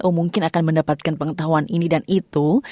kau mungkin akan mendapatkan pengetahuan ini dan itu